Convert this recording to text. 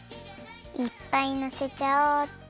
いっぱいのせちゃおう！